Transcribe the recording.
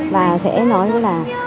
và sẽ nói như là